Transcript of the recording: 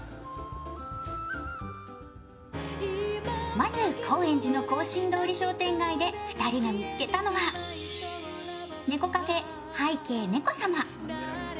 まず高円寺の庚申通り商店街で二人が見つけたのは猫カフェ・拝啓ねこ様。